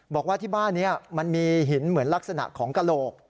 บอกว่าที่บ้านนี้มันมีหินเหมือนลักษณะของกระโหลก